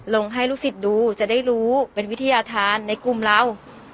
ลงให้ลูกศิษย์ดูจะได้รู้เป็นวิทยาธารในกลุ่มเรา